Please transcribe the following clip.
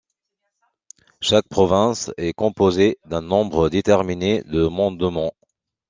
Chaque province est composée d'un nombre déterminé de mandements.